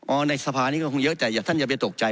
ในสภานี้ก็คงเยอะแต่ท่านอย่าไปตกใจ